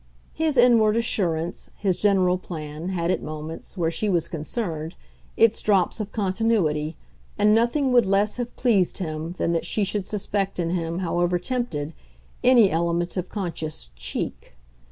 His inward assurance, his general plan, had at moments, where she was concerned, its drops of continuity, and nothing would less have pleased him than that she should suspect in him, however tempted, any element of conscious "cheek."